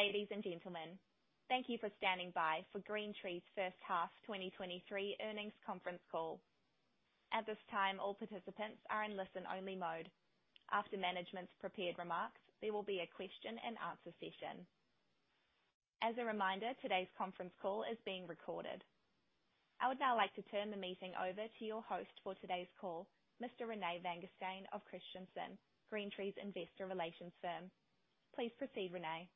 Hello, ladies and gentlemen. Thank you for standing by for GreenTree's first half 2023 earnings conference call. At this time, all participants are in listen-only mode. After management's prepared remarks, there will be a question and answer session. As a reminder, today's conference call is being recorded. I would now like to turn the meeting over to your host for today's call, Mr. René Vanguestaine of Christensen, GreenTree's Investor Relations firm. Please proceed, René.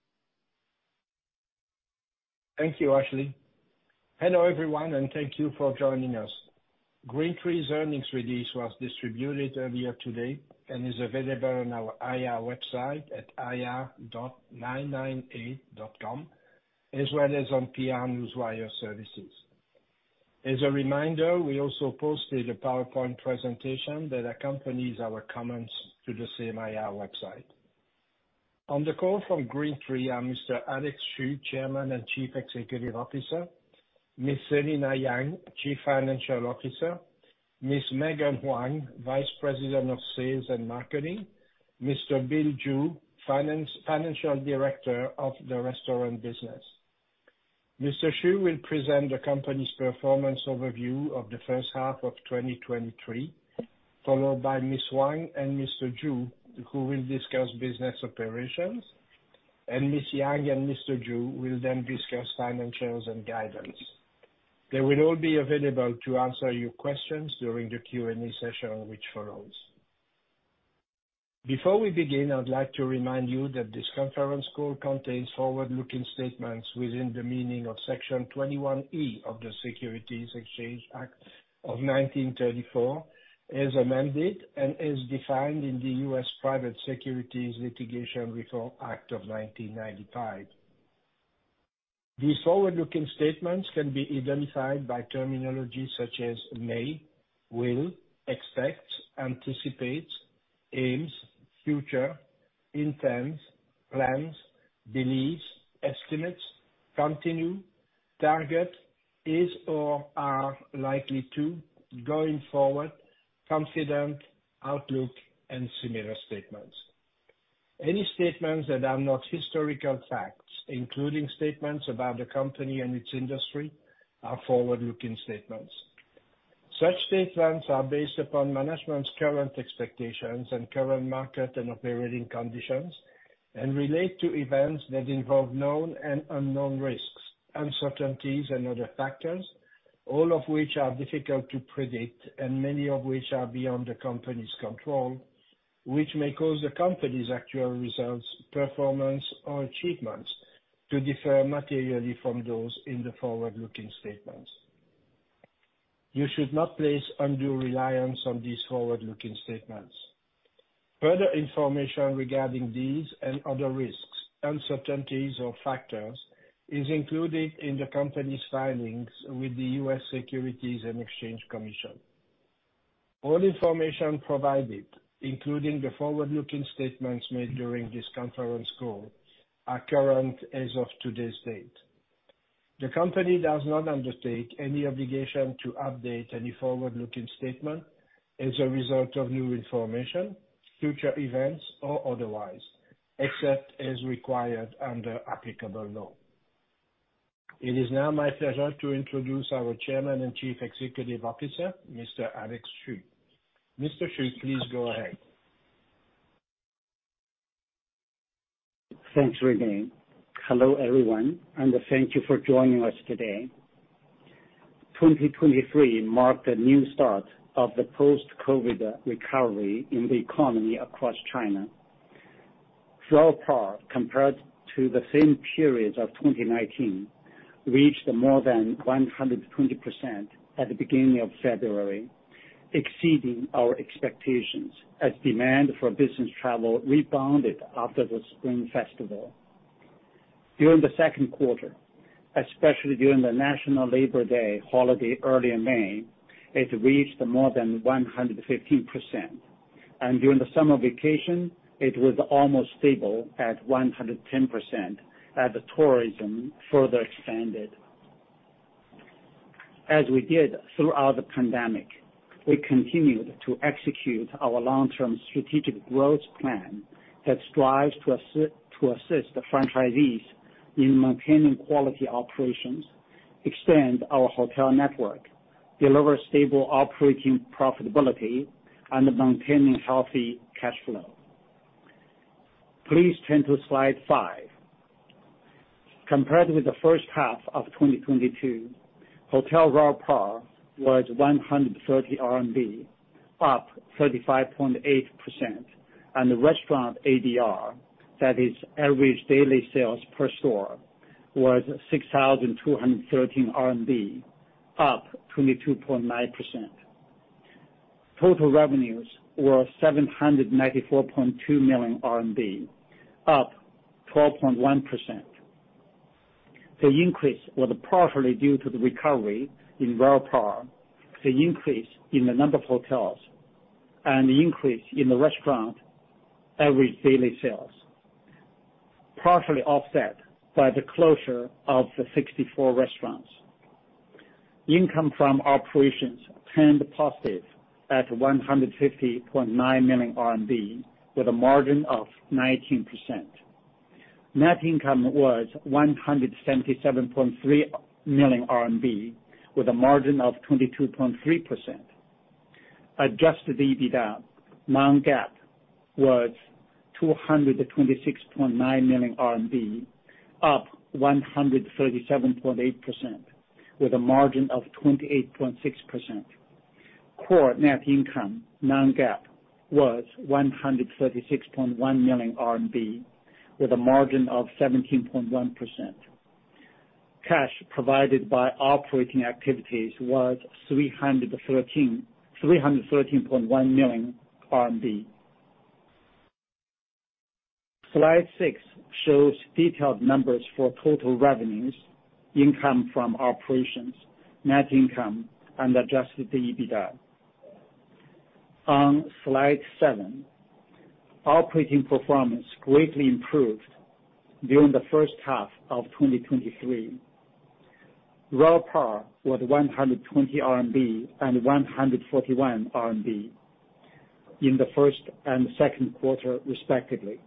Thank you, Ashley. Hello, everyone, and thank you for joining us. GreenTree's earnings release was distributed earlier today and is available on our IR website at ir.998.com, as well as on PR Newswire services. As a reminder, we also posted a PowerPoint presentation that accompanies our comments to the same IR website. On the call from GreenTree are Mr. Alex Xu, Chairman and Chief Executive Officer. Ms. Selina Yang, Chief Financial Officer. Ms. Megan Huang, Vice President of Sales and Marketing. Mr. Bill Zhu, Financial Director of the Restaurant Business. Mr. Xu will present the company's performance overview of the first half of 2023, followed by Ms. Huang and Mr. Zhu, who will discuss business operations, and Ms. Yang and Mr. Zhu will then discuss financials and guidance. They will all be available to answer your questions during the Q&A session, which follows. Before we begin, I'd like to remind you that this conference call contains forward-looking statements within the meaning of Section 21E of the Securities Exchange Act of 1934, as amended, and as defined in the U.S. Private Securities Litigation Reform Act of 1995. These forward-looking statements can be identified by terminology such as may, will, expect, anticipate, aims, future, intends, plans, believes, estimates, continue, target, is or are likely to, going forward, confident, outlook, and similar statements. Any statements that are not historical facts, including statements about the company and its industry, are forward-looking statements. Such statements are based upon management's current expectations and current market and operating conditions, and relate to events that involve known and unknown risks, uncertainties, and other factors, all of which are difficult to predict, and many of which are beyond the company's control, which may cause the company's actual results, performance or achievements to differ materially from those in the forward-looking statements. You should not place undue reliance on these forward-looking statements. Further information regarding these and other risks, uncertainties, or factors is included in the company's filings with the U.S. Securities and Exchange Commission. All information provided, including the forward-looking statements made during this conference call, are current as of today's date. The company does not undertake any obligation to update any forward-looking statement as a result of new information, future events, or otherwise, except as required under applicable law. It is now my pleasure to introduce our Chairman and Chief Executive Officer, Mr. Alex Xu. Mr. Xu, please go ahead. Thanks, René. Hello, everyone, and thank you for joining us today. 2023 marked a new start of the post-COVID recovery in the economy across China. RevPAR, compared to the same period of 2019, reached more than 100% at the beginning of February, exceeding our expectations as demand for business travel rebounded after the Spring Festival. During the second quarter, especially during the National Labor Day holiday early in May, it reached more than 115%, and during the summer vacation, it was almost stable at 110% as the tourism further expanded. As we did throughout the pandemic, we continued to execute our long-term strategic growth plan that strives to assist the franchisees in maintaining quality operations, extend our hotel network, deliver stable operating profitability, and maintaining healthy cash flow. Please turn to Slide 5. Compared with the first half of 2022, hotel RevPAR was 130 RMB, up 35.8%, and the restaurant ADR, that is average daily sales per store, was 6,213 RMB, up 22.9%. Total revenues were 794.2 million RMB, up 12.1%. The increase was partially due to the recovery in RevPAR, the increase in the number of hotels, and the increase in the restaurant average daily sales, partially offset by the closure of the 64 restaurants. Income from operations turned positive at 150.9 million RMB, with a margin of 19%. Net income was 177.3 million RMB, with a margin of 22.3%. Adjusted EBITDA, non-GAAP, was CNY 226.9 million, up 137.8%, with a margin of 28.6%. Core net income, non-GAAP, was CNY 136.1 million, with a margin of 17.1%. Cash provided by operating activities was 313.1 million RMB. Slide 6 shows detailed numbers for total revenues, income from operations, net income, and adjusted EBITDA. On Slide 7, operating performance greatly improved during the first half of 2023. RevPAR was 120 RMB and 141 RMB in the first and second quarter, respectively.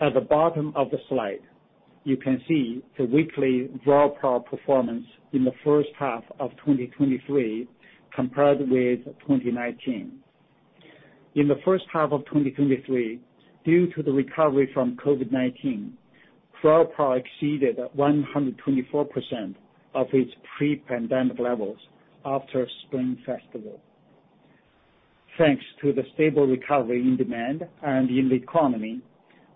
At the bottom of the Slide, you can see the weekly RevPAR performance in the first half of 2023, compared with 2019. In the first half of 2023, due to the recovery from COVID-19, RevPAR exceeded 124% of its pre-pandemic levels after Spring Festival. Thanks to the stable recovery in demand and in the economy,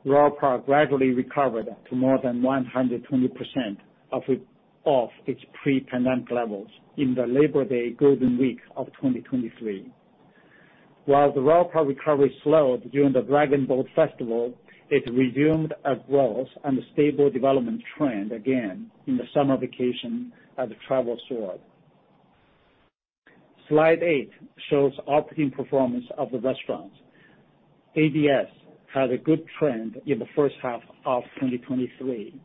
RevPAR gradually recovered to more than 100% of it, of its pre-pandemic levels in the Labor Day Golden Week of 2023. While the RevPAR recovery slowed during the Dragon Boat Festival, it resumed a growth and a stable development trend again in the summer vacation as travel soared. Slide 8 shows operating performance of the restaurants. ADS had a good trend in the first half of 2023.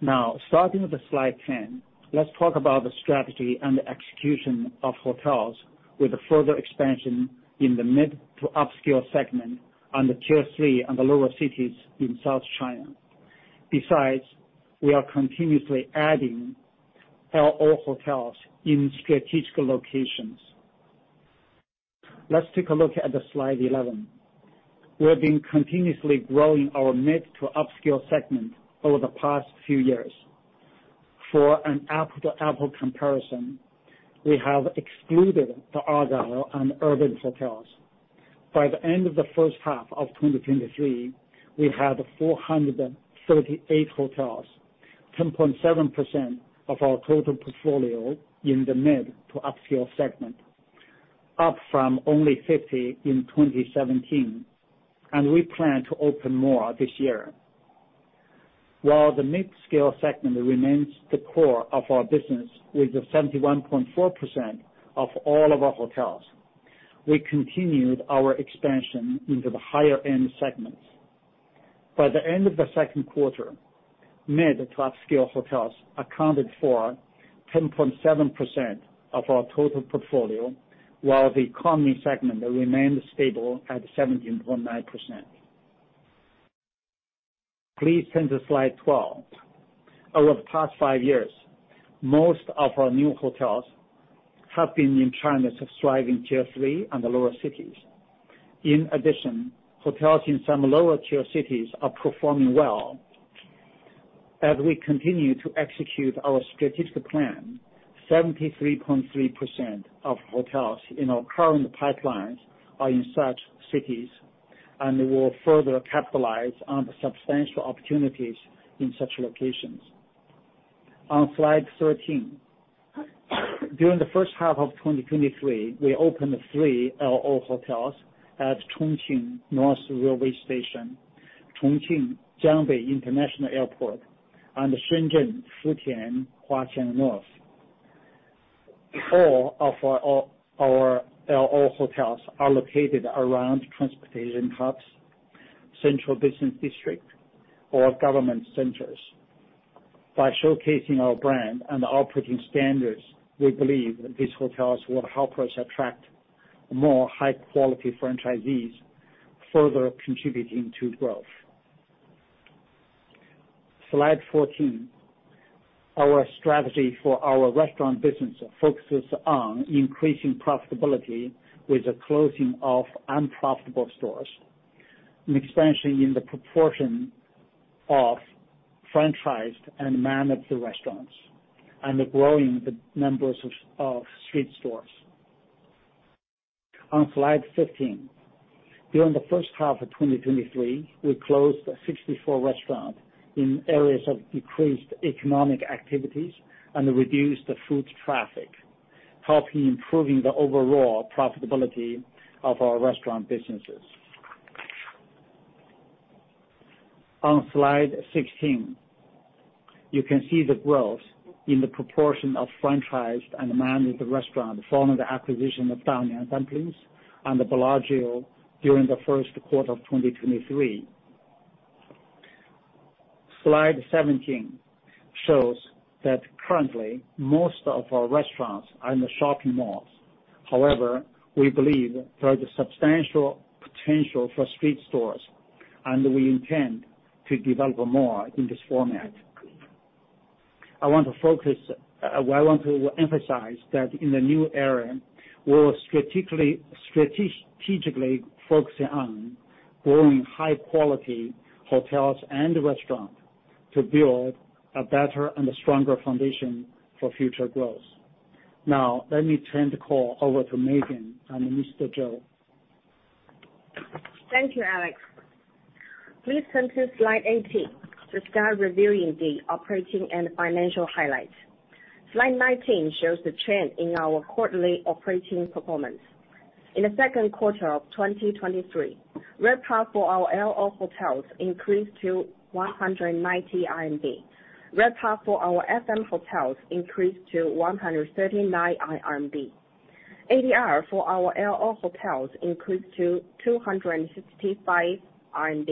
Now, starting with Slide 10, let's talk about the strategy and the execution of hotels, with a further expansion in the mid to upscale segment on the Tier 3 and the lower cities in South China. Besides, we are continuously adding L&O hotels in strategic locations. Let's take a look at the Slide 11. We have been continuously growing our mid to upscale segment over the past few years. For an apple-to-apple comparison, we have excluded the Argyle and Urban hotels. By the end of the first half of 2023, we had 438 hotels, 10.7% of our total portfolio in the mid to upscale segment, up from only 50 in 2017, and we plan to open more this year. While the mid-scale segment remains the core of our business, with the 71.4% of all of our hotels, we continued our expansion into the higher end segments. By the end of the second quarter, mid- to upscale hotels accounted for 10.7% of our total portfolio, while the economy segment remained stable at 17.9%. Please turn to Slide 12. Over the past five years, most of our new hotels have been in China's thriving Tier 3 and the lower cities. In addition, hotels in some lower-tier cities are performing well. As we continue to execute our strategic plan, 73.3% of hotels in our current pipelines are in such cities, and we will further capitalize on the substantial opportunities in such locations. On Slide 13, during the first half of 2023, we opened three L&O hotels at Chongqing North Railway Station, Chongqing Jiangbei International Airport, and Shenzhen Futian Huaqiangbei. All of our L&O hotels are located around transportation hubs, central business district, or government centers. By showcasing our brand and operating standards, we believe that these hotels will help us attract more high-quality franchisees, further contributing to growth. Slide 14. Our strategy for our restaurant business focuses on increasing profitability with the closing of unprofitable stores and expansion in the proportion of franchised and managed restaurants, and growing the numbers of street stores. On Slide 15, during the first half of 2023, we closed 64 restaurants in areas of decreased economic activities and reduced foot traffic, helping improve the overall profitability of our restaurant businesses. On Slide 16, you can see the growth in the proportion of franchised and managed restaurants following the acquisition of Da Niang Dumplings and the Bellagio during the first quarter of 2023. Slide 17 shows that currently, most of our restaurants are in the shopping malls. However, we believe there is a substantial potential for street stores, and we intend to develop more in this format. I want to focus, I want to emphasize that in the new era, we're strategically, strategically focusing on growing high quality hotels and restaurants to build a better and a stronger foundation for future growth. Now, let me turn the call over to Megan and Mr. Zhu. Thank you, Alex. Please turn to Slide 18 to start reviewing the operating and financial highlights. Slide 19 shows the trend in our quarterly operating performance. In the second quarter of 2023, RevPAR for our L&O hotels increased to 190 RMB. RevPAR for our F&M hotels increased to 139 RMB. ADR for our L&O hotels increased to 265 RMB,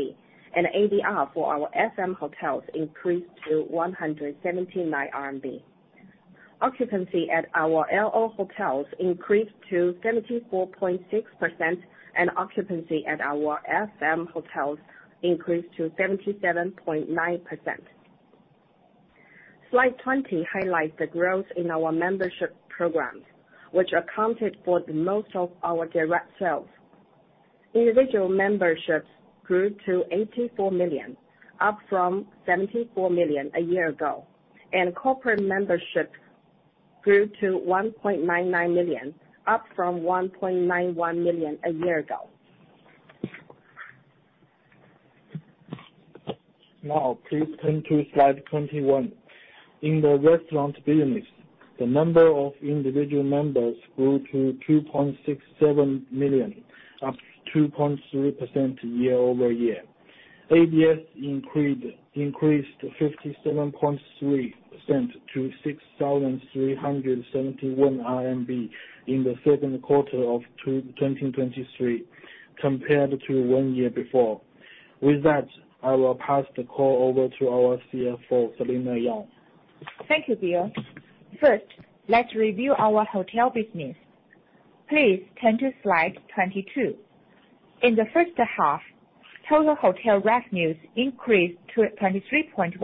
and ADR for our F&M hotels increased to 179 RMB. Occupancy at our L&O hotels increased to 74.6%, and occupancy at our F&M hotels increased to 77.9%. Slide 20 highlights the growth in our membership programs, which accounted for the most of our direct sales. Individual memberships grew to 84 million, up from 74 million a year ago, and corporate memberships grew to 1.99 million, up from 1.91 million a year ago. Now, please turn to Slide 21. In the restaurant business, the number of individual members grew to 2.67 million, up 2.3% year-over-year. ADS increased to 57.3% to 6,371 RMB in the second quarter of 2023 compared to one year before. With that, I will pass the call over to our CFO, Selina Yang. Thank you, Bill. First, let's review our hotel business. Please turn to Slide 22. In the first half, total hotel revenues increased 23.1%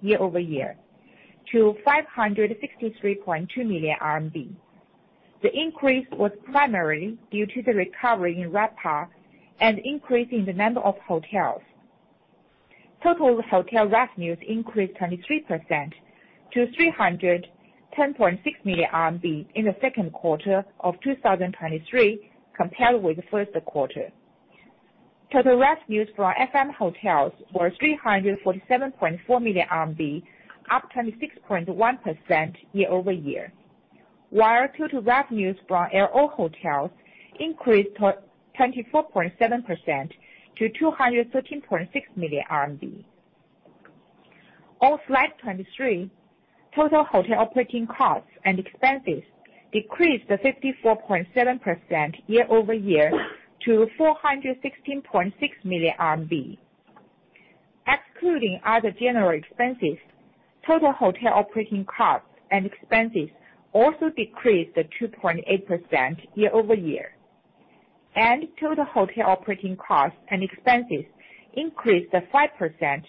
year-over-year, to 563.2 million RMB. The increase was primarily due to the recovery in RevPAR and increase in the number of hotels. Total hotel revenues increased 23% to 310.6 million RMB in the second quarter of 2023, compared with the first quarter. Total revenues from F&M hotels were 347.4 million RMB, up 26.1% year-over-year. While total revenues from L&O hotels increased 24.7% to 213.6 million RMB. On Slide 23, total hotel operating costs and expenses decreased 54.7% year-over-year to CNY 416.6 million. Excluding other general expenses, total hotel operating costs and expenses also decreased to 2.8% year-over-year, and total hotel operating costs and expenses increased to 5%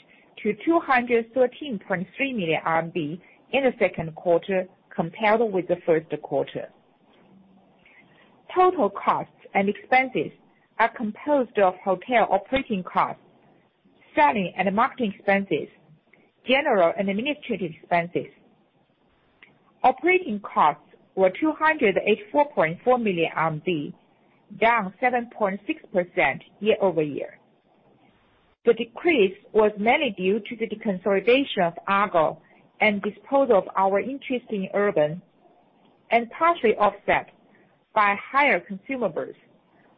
to 213.3 million RMB in the second quarter, compared with the first quarter. Total costs and expenses are composed of hotel operating costs, selling and marketing expenses, general and administrative expenses. Operating costs were 284.4 million RMB, down 7.6% year-over-year. The decrease was mainly due to the deconsolidation of Argyle and disposal of our interest in Urban, and partially offset by higher consumables,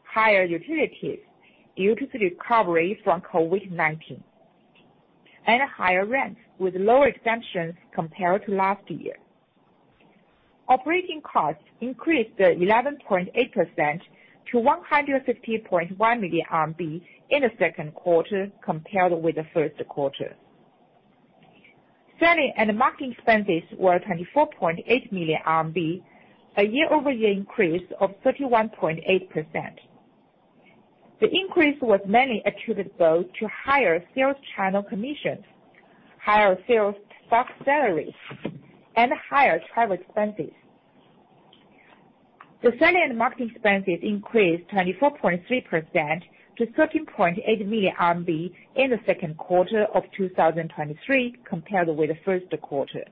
higher utilities due to the recovery from COVID-19, and higher rents with lower exemptions compared to last year. Operating costs increased to 11.8% to 150.1 million RMB in the second quarter, compared with the first quarter. Selling and marketing expenses were 24.8 million RMB, a year-over-year increase of 31.8%. The increase was mainly attributable to higher sales channel commissions, higher sales staff salaries, and higher travel expenses. The selling and marketing expenses increased 24.3% to 13.8 million RMB in the second quarter of 2023, compared with the first quarter.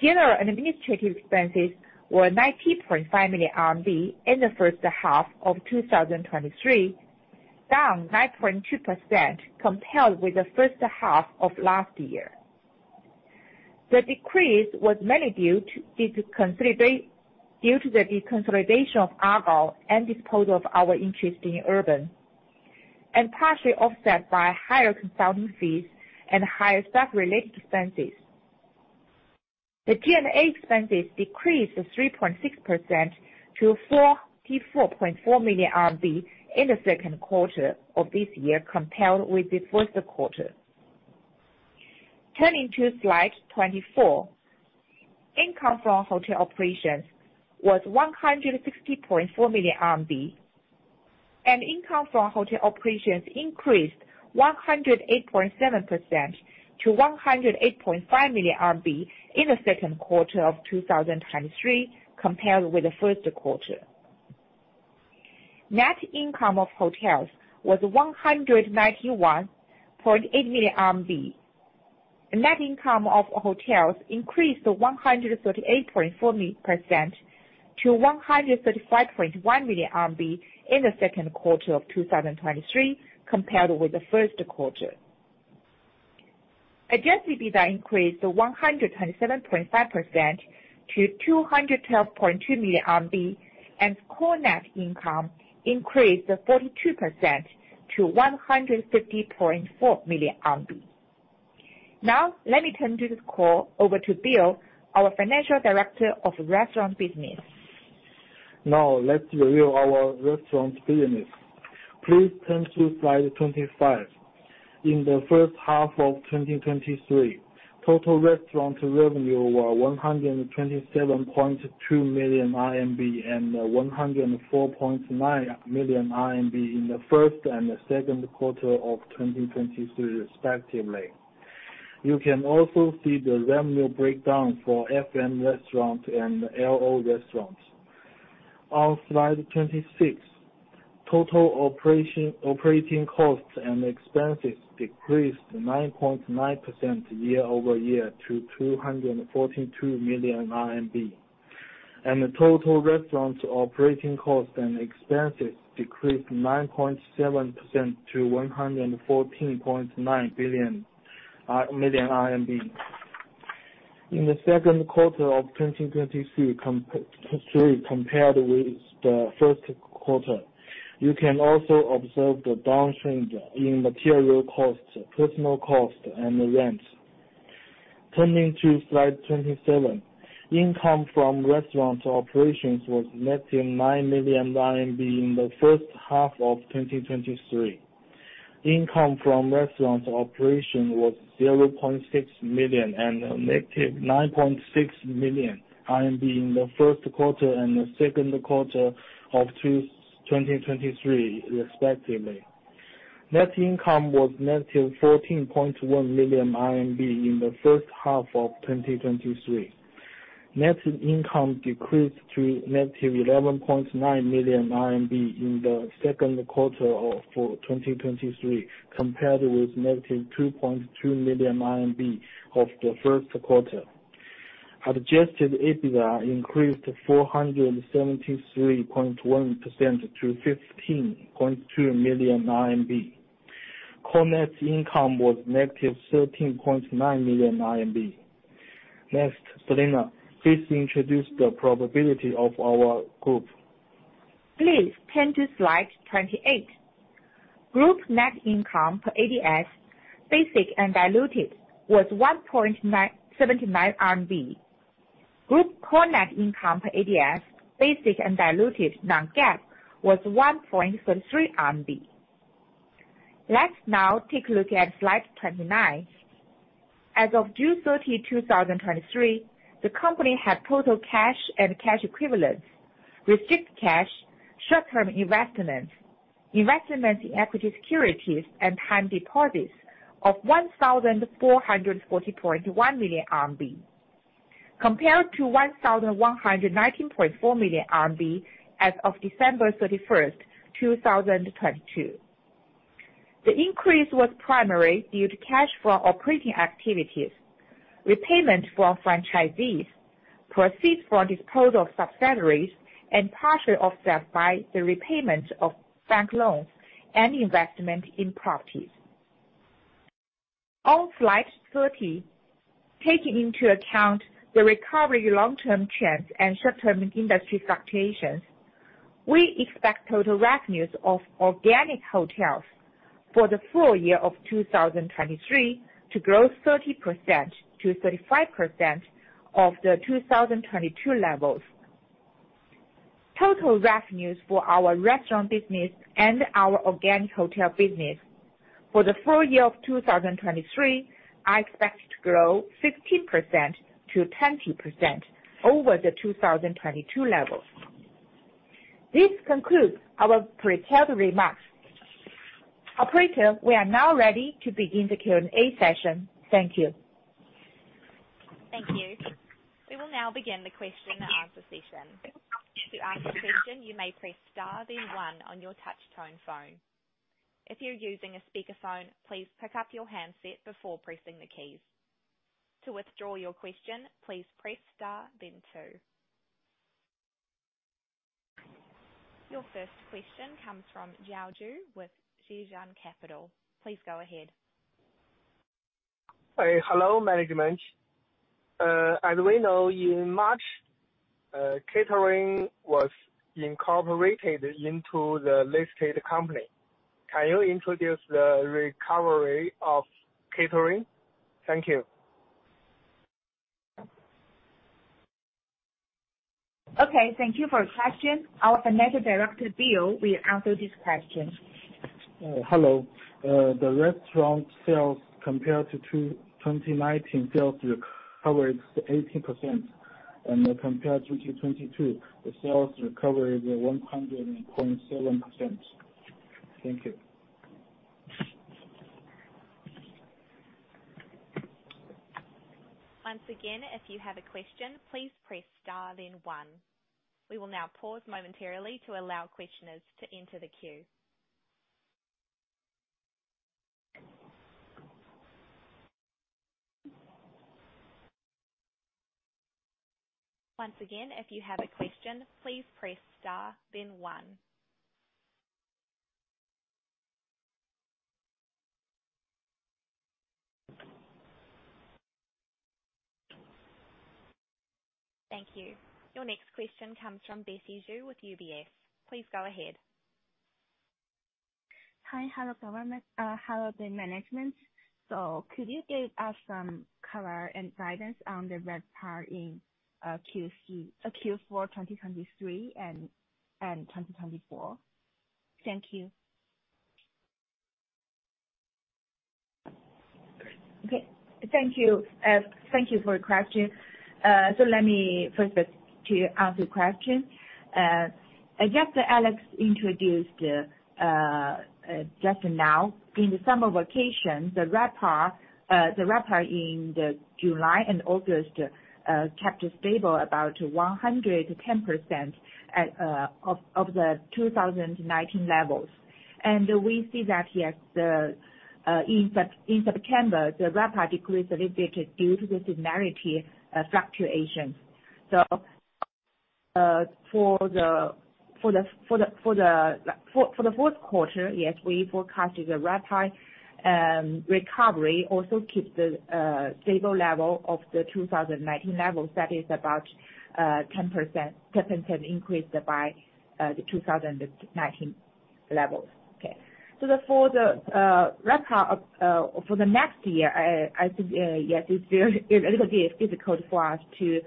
General and administrative expenses were 90.5 million RMB in the first half of 2023, down 9.2%, compared with the first half of last year. The decrease was mainly due to, due to the deconsolidation of Argyle and disposal of our interest in Urban, and partially offset by higher consulting fees and higher staff-related expenses. The G&A expenses decreased 3.6% to 44.4 million RMB in the second quarter of this year, compared with the first quarter. Turning to Slide 24, income from hotel operations was 160.4 million RMB, and income from hotel operations increased 108.7% to 108.5 million RMB in the second quarter of 2023, compared with the first quarter. Net income of hotels was 191.8 million RMB. Net income of hotels increased to 138.4% to 135.1 million RMB in the second quarter of 2023, compared with the first quarter. Adjusted EBITDA increased 127.5% to 212.2 million RMB, and core net income increased 42% to 150.4 million RMB. Now, let me turn this call over to Bill, our Financial Director of Restaurant Business. Now, let's review our restaurant business. Please turn to Slide 25. In the first half of 2023, total restaurant revenue were 127.2 million RMB and 104.9 million RMB in the first and the second quarter of 2023, respectively. You can also see the revenue breakdown for F&M restaurants and L&O restaurants. On Slide 26, total operation, operating costs and expenses decreased 9.9% year-over-year to 242 million RMB, and the total restaurant operating costs and expenses decreased 9.7% to 114.9 million RMB. In the second quarter of 2023 compared with the first quarter, you can also observe the downtrend in material costs, personnel costs, and rent. Turning to Slide 27, income from restaurant operations was -9 million RMB in the first half of 2023. Income from restaurant operation was 0.6 million and -9.6 million RMB in the first quarter and the second quarter of 2023, respectively. Net income was -14.1 million RMB in the first half of 2023. Net income decreased to -11.9 million RMB in the second quarter of 2023, compared with -2.2 million RMB of the first quarter. Adjusted EBITDA increased 473.1% to 15.2 million RMB. Core net income was -13.9 million RMB. Next, Selina, please introduce the profitability of our group. Please turn to Slide 28. Group net income per ADS, basic and diluted, was 1.79 RMB. Group core net income per ADS, basic and diluted non-GAAP, was 1.33. Let's now take a look at Slide 29. As of June 30, 2023, the company had total cash and cash equivalents, restricted cash, short-term investments, investments in equity securities, and time deposits of 1,440.1 million RMB, compared to 1,119.4 million RMB as of December 31st, 2022. The increase was primarily due to cash flow from operating activities, repayment for franchisees, proceeds for disposal of subsidiaries, and partially offset by the repayment of bank loans and investment in properties. On Slide 30, taking into account the recovery long-term trends and short-term industry fluctuations, we expect total revenues of organic hotels for the full year of 2023 to grow 30%-35% of the 2022 levels. Total revenues for our restaurant business and our organic hotel business for the full year of 2023, are expected to grow 15%-20% over the 2022 levels. This concludes our prepared remarks. Operator, we are now ready to begin the Q&A session. Thank you. Thank you. We will now begin the question and answer session. To ask a question, you may press star then one on your touch tone phone. If you're using a speakerphone, please pick up your handset before pressing the keys. To withdraw your question, please press star then two. Your first question comes from [Jiao Ju] with [Xinjiang Capital]. Please go ahead. Hello, management. As we know, in March, catering was incorporated into the listed company. Can you introduce the recovery of catering? Thank you. Okay, thank you for your question. Our Financial Director, Bill, will answer this question. The restaurant sales compared to 2019 sales recovered 18%, and compared to 2022, the sales recovered 100.7%. Thank you. Once again, if you have a question, please press star then one. We will now pause momentarily to allow questioners to enter the queue. Once again, if you have a question, please press star then one. Thank you. Your next question comes from [Daisy Zhu] with UBS. Please go ahead. Hi. Hello, everyone. Hello to the management. Could you give us some color and guidance on the RevPAR in Q3, Q4 2023 and 2024? Thank you. Okay. Thank you. Thank you for your question. So let me first to answer your question. As Alex introduced just now, in the summer vacation, the RevPAR in July and August kept stable about 110% of the 2019 levels. And we see that, yes, in September, the RevPAR decreased a little bit due to the seasonality fluctuation. So, for the fourth quarter, yes, we forecasted the RevPAR recovery also keep the stable level of the 2019 levels. That is about 10%, 10% increased by the 2019 levels. Okay. For the RevPAR for next year, I think yes, it's a little bit difficult for us to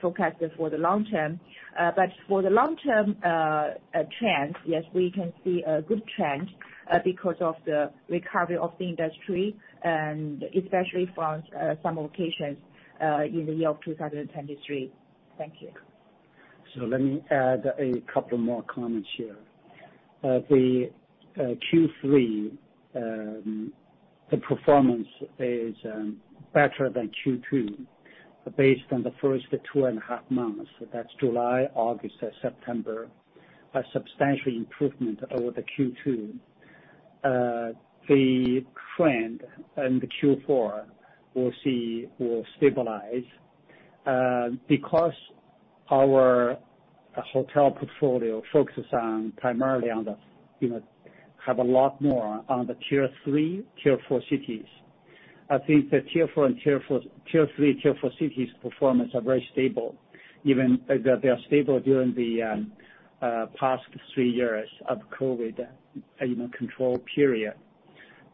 forecast it for the long term. For the long-term trend, yes, we can see a good trend because of the recovery of the industry and especially from some locations in the year of 2023. Thank you. So let me add a couple more comments here. The Q3 performance is better than Q2, based on the first two and a half months. That's July, August, and September, a substantial improvement over the Q2. The trend in the Q4 will stabilize, because our hotel portfolio focuses primarily on the, you know, have a lot more on the Tier 3, Tier 4 cities. I think the Tier 3, Tier 4 cities' performance are very stable, even they are stable during the past three years of COVID, you know, control period.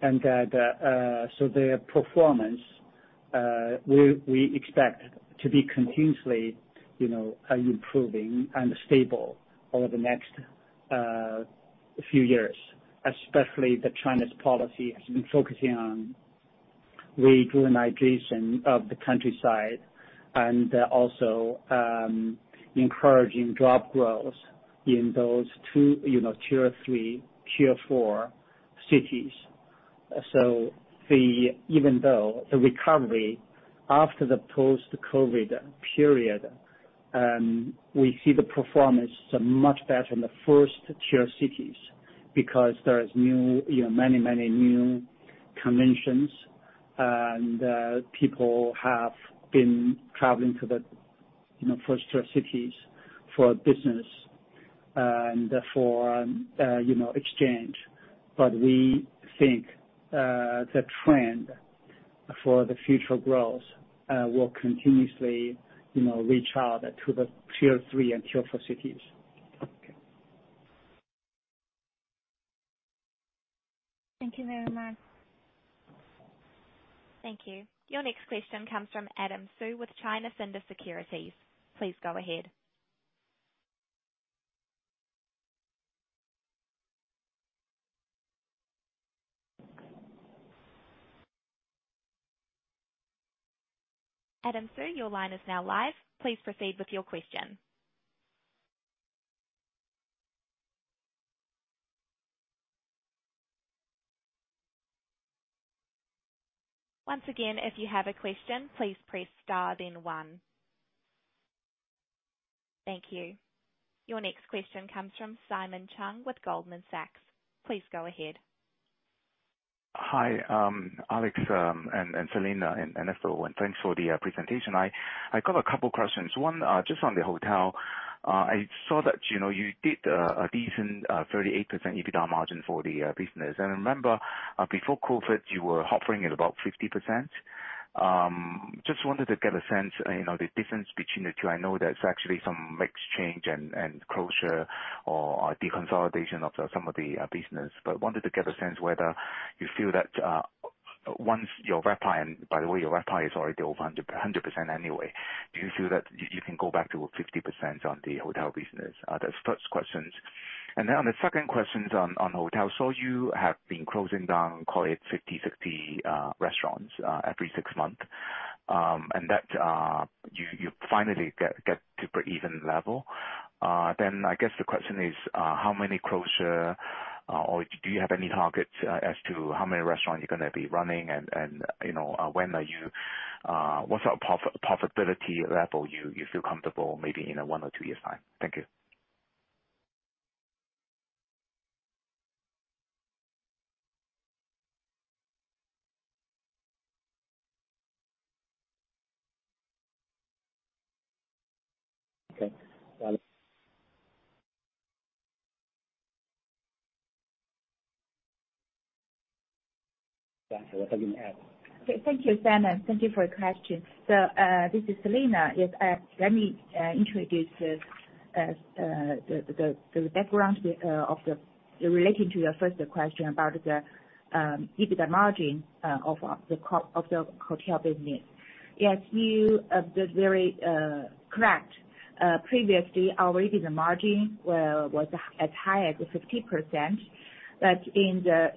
That, so their performance, we expect to be continuously, you know, improving and stable over the next few years, especially China's policy has been focusing on revitalization of the countryside and also encouraging job growth in those two, you know, Tier 3, Tier 4 cities. So, even though the recovery after the post-COVID period, we see the performance much better in the first-tier cities because there is new, you know, many new conventions, and people have been traveling to the, you know, first-tier cities for business, and for, you know, exchange. But we think the trend for the future growth will continuously, you know, reach out to the Tier 3 and Tier 4 cities. Okay. Thank you very much. Thank you. Your next question comes from [Adam Xu] with China Cinda Securities. Please go ahead. Adam Xu, your line is now live. Please proceed with your question. Once again, if you have a question, please press star then one. Thank you. Your next question comes from Simon Cheung with Goldman Sachs. Please go ahead. Hi, Alex, and Selina, and also, thanks for the presentation. I got a couple questions. One, just on the hotel. I saw that, you know, you did a decent 38% EBITDA margin for the business. And I remember, before COVID, you were hovering at about 50%. Just wanted to get a sense, you know, the difference between the two. I know there's actually some mix change and closure or deconsolidation of some of the business, but wanted to get a sense whether you feel that once your RevPAR, and by the way, your RevPAR is already over 100%, 100% anyway, do you feel that you can go back to 50% on the hotel business? That's first questions. Then on the second question on hotels, so you have been closing down, call it 50, 60 restaurants every six months. And that you finally get to break even level. Then I guess the question is, how many closures or do you have any targets as to how many restaurants you're gonna be running? And you know, when are you, what's our profitability level you feel comfortable maybe in one or two years time? Thank you. Okay. Got it. Thank you, Simon. Thank you for your question. So, this is Selina. Yes, let me introduce this, the background relating to your first question about the EBITDA margin of the core of the hotel business. Yes, you, that's very correct. Previously, our EBITDA margin was as high as 50%, but in the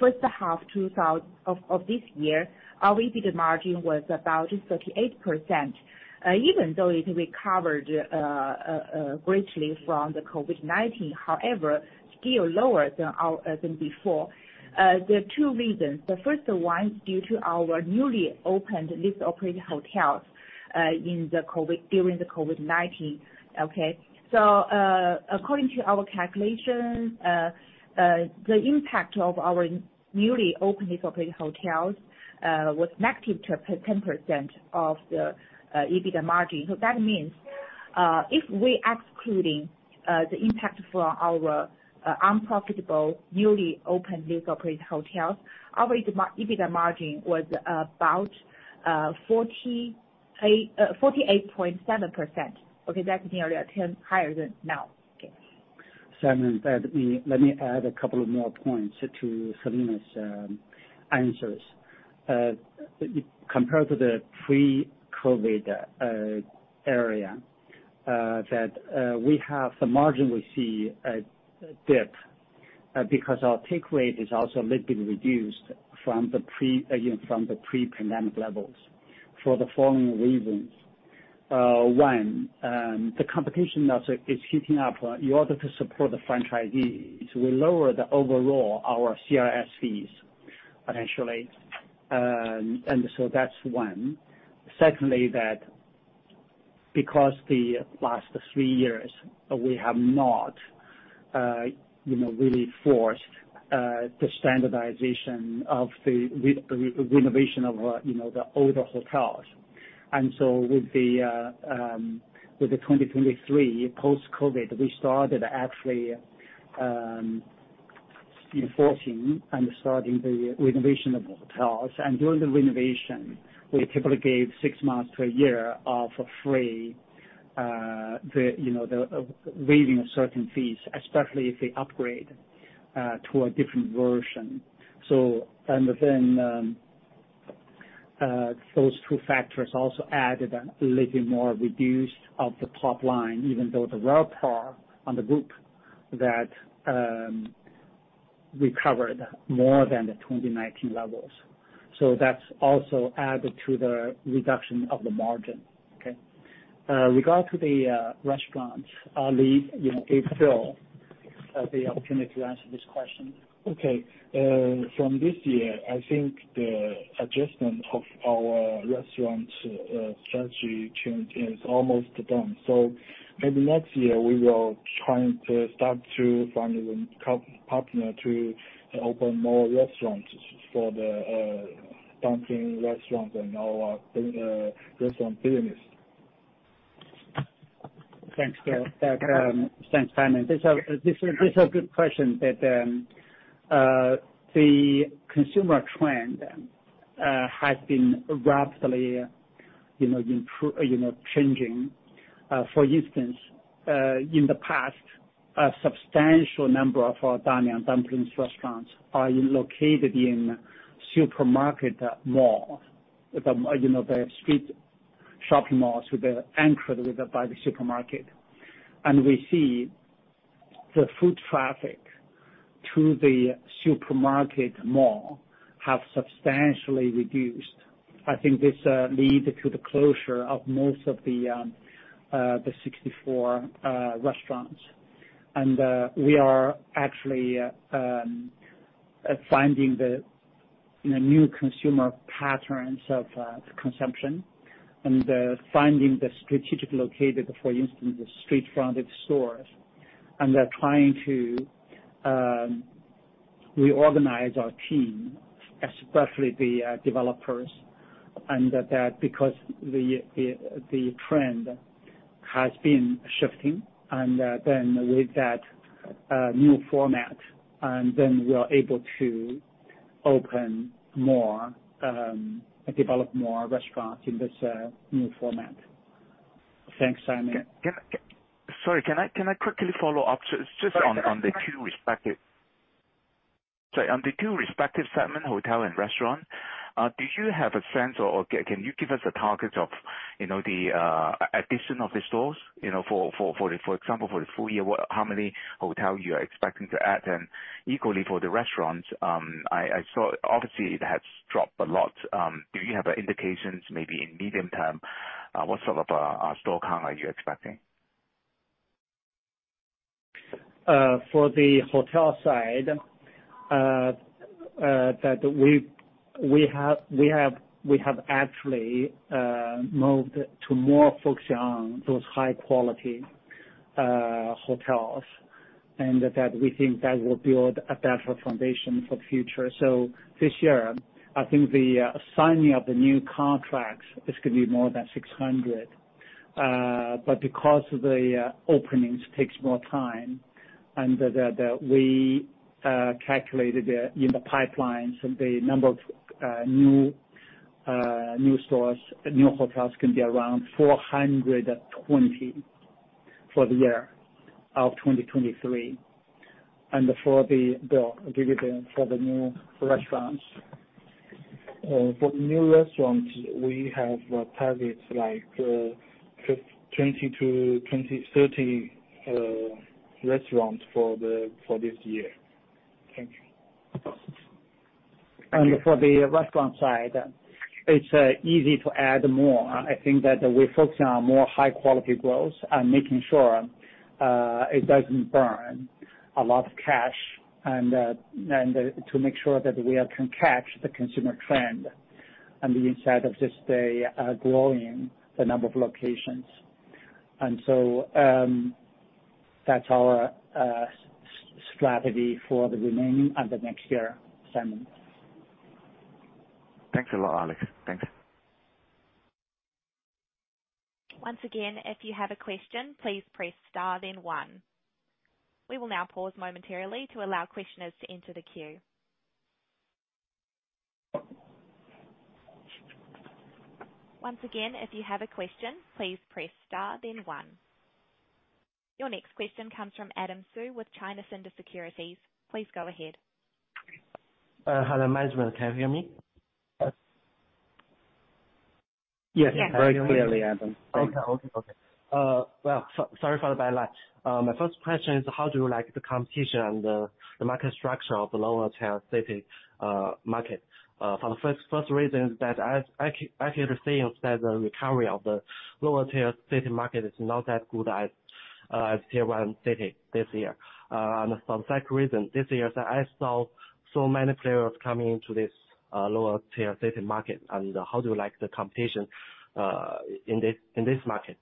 first half 2020 of this year, our EBITDA margin was about 38%. Even though it recovered greatly from the COVID-19, however, still lower than our than before. There are two reasons. The first one is due to our newly opened leased-and-operated hotels in the COVID, during the COVID-19, okay? According to our calculations, the impact of our newly opened leased-and-operated hotels was -10% of the EBITDA margin. That means, if we excluding the impact from our unprofitable, newly opened leased-and-operated hotels, our EBITDA margin was about 48.7%. Okay, that's nearly 10 higher than now. Okay. Simon, let me add a couple more points to Selina's answers. Compared to the pre-COVID area, we have the margin. We see a dip because our take rate is also a little bit reduced from the pre, again, from the pre-pandemic levels for the following reasons. One, the competition now is heating up. In order to support the franchisees, we lower overall our CRS fees, potentially. That's one. Secondly, because the last three years we have not really forced the standardization of the renovation of the older hotels. With the 2023 post-COVID, we started actually enforcing and starting the renovation of hotels. During the renovation, we typically gave six months to a year of free, you know, the waiving of certain fees, especially if they upgrade to a different version. So and then, those two factors also added a little bit more reduced of the top line, even though the RevPAR on the group that recovered more than the 2019 levels. So that's also added to the reduction of the margin. Okay. Regarding the restaurants, let me, you know, give Bill the opportunity to answer this question. Okay. From this year, I think the adjustment of our restaurant strategy change is almost done. So maybe next year, we will trying to start to find a co-partner to open more restaurants for the dumpling restaurants and our restaurant business. Thanks, Bill. Thanks, Simon. This is a good question that the consumer trend has been rapidly, you know, improving, you know, changing. For instance, in the past, a substantial number of our Da Niang Dumplings restaurants are located in supermarket mall. The street shopping malls, you know, anchored by the supermarket. And we see the foot traffic to the supermarket mall have substantially reduced. I think this lead to the closure of most of the 64 restaurants. And we are actually finding the, you know, new consumer patterns of the consumption and finding the strategic located, for instance, the street-fronted stores, and they're trying to reorganize our team, especially the developers, and that, because the trend has been shifting, and then with that new format, and then we are able to open more, develop more restaurants in this new format. Thanks, Simon. Can I quickly follow up just on the two respective, sorry, on the two respective segment, hotel and restaurant? Do you have a sense or can you give us a target of, you know, the addition of the stores, you know, for example, for the full year, what, how many hotel you are expecting to add? Equally for the restaurants, I saw obviously it has dropped a lot. Do you have indications maybe in medium term, what sort of store count are you expecting? For the hotel side, we have actually moved to more focusing on those high quality hotels, and that we think that will build a better foundation for future. This year, I think the signing of the new contracts is gonna be more than 600. Because the openings take more time and that we calculated it in the pipelines, the number of new stores, new hotels can be around 420 for the year of 2023. For the new restaurants. For the new restaurants, we have targets like 20-30 restaurants for this year. Thank you. For the restaurant side, it's easy to add more. I think that we're focusing on more high-quality growth and making sure it doesn't burn a lot of cash, and to make sure that we can catch the consumer trend and the insights of today, growing the number of locations. So, that's our strategy for the remainder of next year, Simon. Thanks a lot, Alex. Thanks. Once again, if you have a question, please press star, then one. We will now pause momentarily to allow questioners to enter the queue. Once again, if you have a question, please press star, then one. Your next question comes from [Adam Xu] with China Cinda Securities. Please go ahead. Hello, management, can you hear me? Yes, very clearly, Adam. Okay. Okay, okay. Well, sorry for the delay. My first question is: How do you like the competition and the, the market structure of the lower tier city, market? For the first, first reason is that I actually, actually received that the recovery of the lower tier city market is not that good as, as Tier 1 city this year. And some second reason, this year, I saw so many players coming into this, lower tier city market. How do you like the competition, in this, in this market?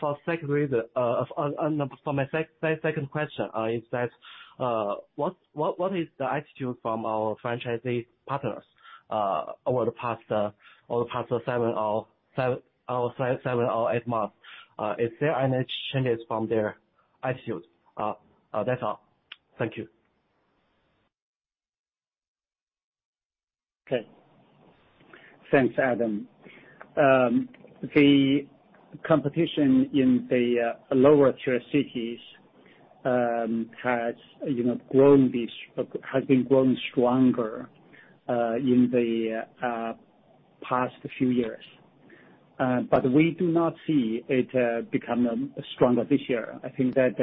For second reason, and, and for my sec, second question, is that, what, what, what is the attitude from our franchisee partners, over the past, over the past seven or eight months? Is there any changes from their attitude? That's all. Thank you. Okay. Thanks, Adam. The competition in the lower tier cities has, you know, grown, has been growing stronger in the past few years. We do not see it become, you know, stronger this year. I think that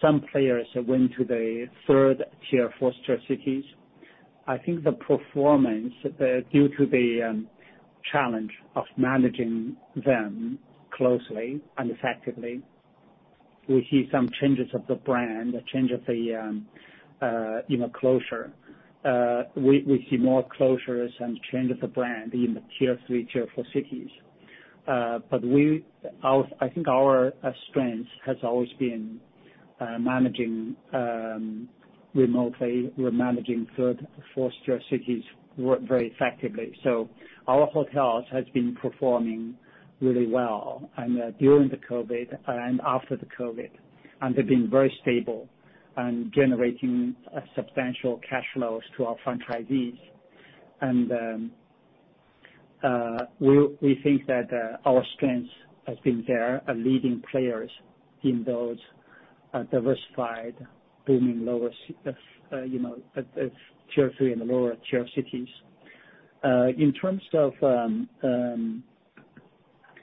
some players went to the third tier, fourth tier cities. I think the performance, you know, due to the challenge of managing them closely and effectively, we see some changes of the brand, a change of the, you know, closure. We see more closures and change of the brand in the Tier 3, Tier 4 cities. I think our strength has always been managing, you know, remotely. We're managing third, fourth tier cities very effectively. So our hotels has been performing really well, and during the COVID and after the COVID, and they've been very stable and generating substantial cash flows to our franchisees. We think that our strength has been there are leading players in those diversified, booming, lower, you know, Tier 3 and lower-tier cities. In terms of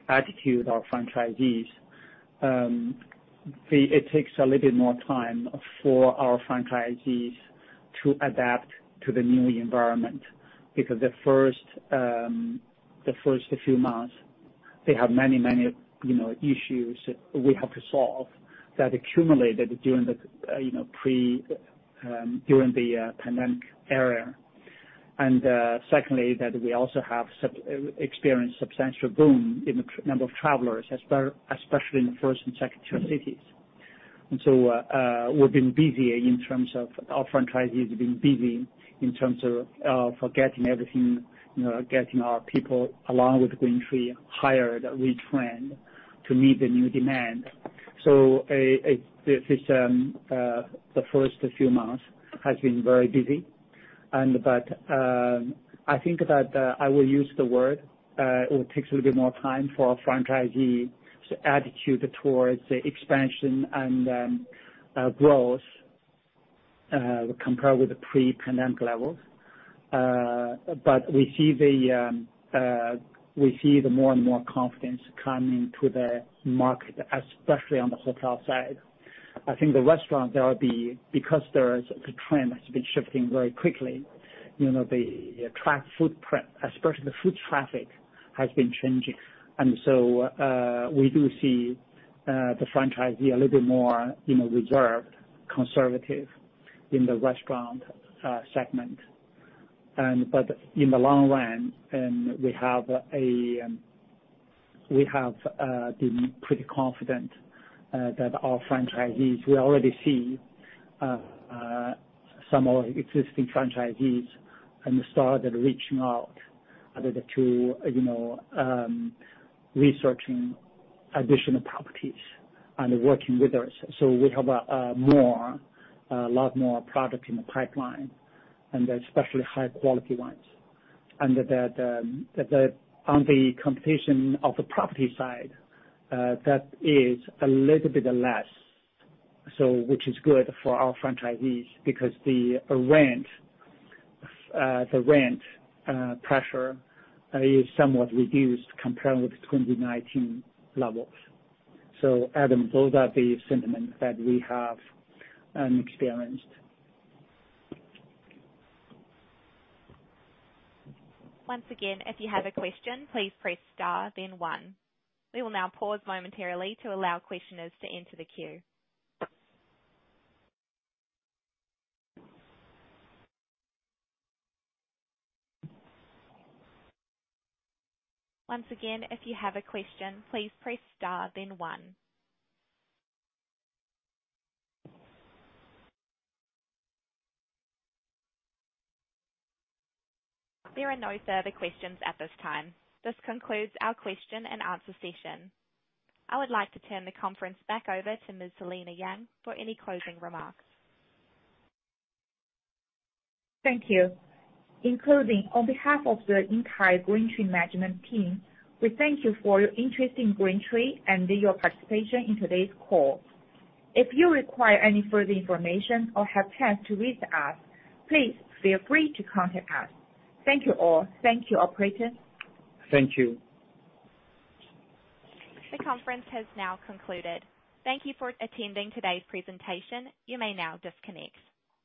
attitude, our franchisees, the, it takes a little bit more time for our franchisees to adapt to the new environment, because the first few months, they have many, many, you know, issues we have to solve that accumulated during the, you know, during the pandemic era. Secondly, that we also have experienced substantial boom in the number of travelers, especially in the first- and second-tier cities. We've been busy in terms of our franchisees being busy in terms of for getting everything, you know, getting our people along with GreenTree hired, retrained to meet the new demand. So this, the first few months has been very busy. But I think that I will use the word it takes a little bit more time for our franchisee's attitude towards the expansion and growth compared with the pre-pandemic levels. But we see the more and more confidence coming to the market, especially on the hotel side. I think the restaurant there will be because there is the trend has been shifting very quickly. You know, the traffic footprint, especially the foot traffic, has been changing. So, we do see the franchisee a little bit more, you know, reserved, conservative in the restaurant segment. But in the long run, and we have a, we have been pretty confident that our franchisees, we already see some of our existing franchisees and started reaching out, either to, you know, researching additional properties and working with us. So we have more, a lot more product in the pipeline and especially high quality ones. And that, on the competition of the property side, that is a little bit less so, which is good for our franchisees because the rent, the rent pressure is somewhat reduced compared with the 2019 levels. So, Adam, those are the sentiments that we have experienced. Once again, if you have a question, please press star, then one. We will now pause momentarily to allow questioners to enter the queue. Once again, if you have a question, please press star, then one. There are no further questions at this time. This concludes our question and answer session. I would like to turn the conference back over to Ms. Selina Yang for any closing remarks. Thank you. In closing, on behalf of the entire GreenTree management team, we thank you for your interest in GreenTree and your participation in today's call. If you require any further information or have chance to reach us, please feel free to contact us. Thank you all. Thank you, operator. Thank you. The conference has now concluded. Thank you for attending today's presentation. You may now disconnect.